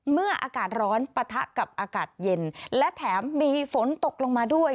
อากาศร้อนปะทะกับอากาศเย็นและแถมมีฝนตกลงมาด้วย